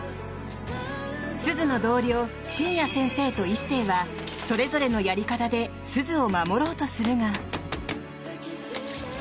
鈴の同僚、深夜先生と一星はそれぞれのやり方で鈴を守ろうとするが。